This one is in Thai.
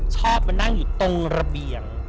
ชอบมานั่งอยู่ตรงระเบียง